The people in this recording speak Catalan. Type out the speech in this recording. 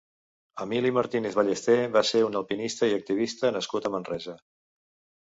Emili Martínez Ballester va ser un alpinista i activista nascut a Manresa.